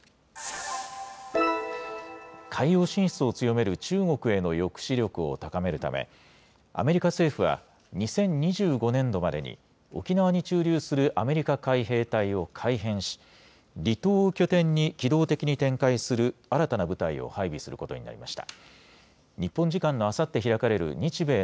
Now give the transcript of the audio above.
海洋進出を強める中国への抑止力を高めるため、アメリカ政府は、２０２５年度までに沖縄に駐留するアメリカ海兵隊を改編し、離島を拠点に機動的に展開する新たな部隊を配備することになりました。